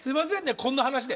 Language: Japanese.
こんな話で。